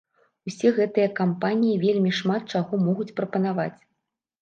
Усе гэтыя кампаніі вельмі шмат чаго могуць прапанаваць.